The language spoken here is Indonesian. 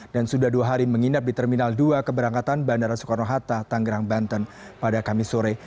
dan sudah dua hari menginap di terminal dua keberangkatan bandara soekarno hatta tanggerang banten pada kamis sore